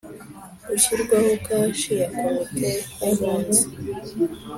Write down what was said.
gushyirwaho kashi ya Komite y Abunzi